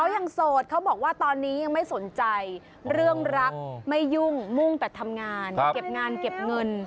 ต้องตั้งแต่ทำงานเก็บงานเก็บเงิน